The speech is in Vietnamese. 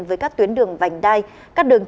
với các tuyến đường vành đai các đường